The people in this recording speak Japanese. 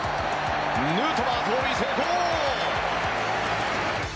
ヌートバー盗塁成功。